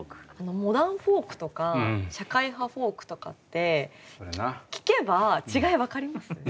モダンフォークとか社会派フォークとかって聴けば違い分かります？